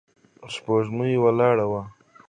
سپوږمۍ ولاړه وه.